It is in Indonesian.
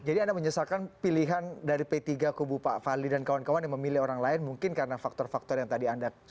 jadi anda menyesalkan pilihan dari p tiga ke bupak fahli dan kawan kawan yang memilih orang lain mungkin karena faktor faktor yang tadi anda katakan